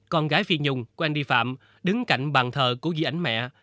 con gái phi nhung wendy phạm đứng cạnh bàn thờ của dí ảnh mẹ